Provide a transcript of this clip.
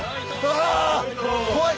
怖い！